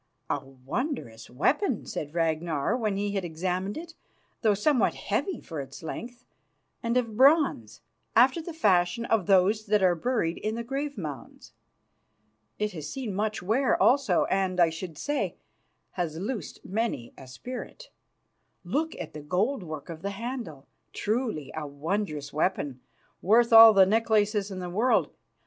"A wondrous weapon," said Ragnar when he had examined it, "though somewhat heavy for its length, and of bronze, after the fashion of those that are buried in the grave mounds. It has seen much wear also, and, I should say, has loosed many a spirit. Look at the gold work of the handle. Truly a wondrous weapon, worth all the necklaces in the world.